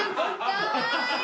かわいい！